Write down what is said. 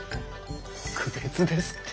特別ですって。